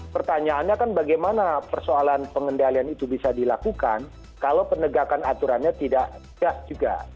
pertanyaannya kan bagaimana persoalan pengendalian itu bisa dilakukan kalau penegakan aturannya tidak gas juga